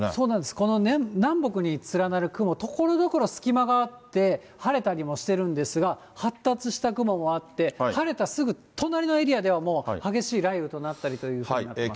この南北に連なる雲、ところどころ、隙間があって晴れたりもしてるんですが、発達した雲もあって、晴れたすぐ隣のエリアでは、もう激しい雷雨となったりというふうになっています。